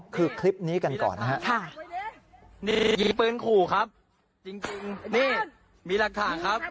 คือคลิปนี้กันก่อนนะฮะ